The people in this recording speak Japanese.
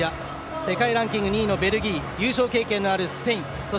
世界ランキング２位のベルギー優勝経験のあるスペイン。